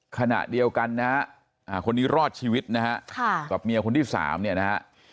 ขณะเดียวกันนะฮะคนนี้รอดชีวิตนะฮะกับเมียคนที่สามเนี่ยนะฮะ